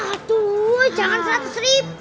aduh jangan rp seratus